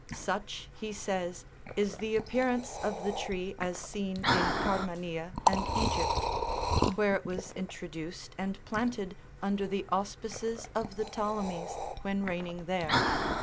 Such, he says, is the appearance of the tree as seen in Carmania and Egypt, where it was introduced and planted under the auspices of the Ptolemies when reigning there.